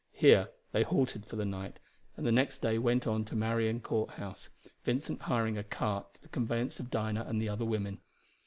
Here they halted for the night, and the next day went on to Marion Courthouse, Vincent hiring a cart for the conveyance of Dinah and the other women.